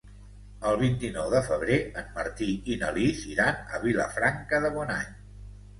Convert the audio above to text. El vint-i-nou de febrer en Martí i na Lis iran a Vilafranca de Bonany.